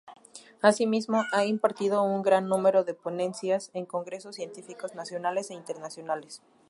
Asimismo, ha impartido un gran número de ponencias en congresos científicos nacionales e internacionales.